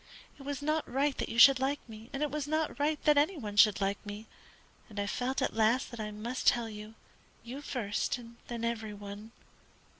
It was not right that you should like me it was not right that any one should like me and I felt at last that I must tell you; you first, and then every one.